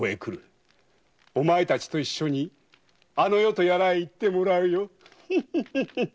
お前たちと一緒にあの世とやらへ行ってもらうよ。